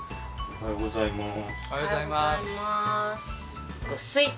おはようございます。